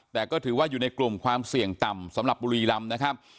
แต่ก็ถือว่าอยู่ในกลุ่มความเสี่ยงต่ำสำหรับบุรีรำนะครับ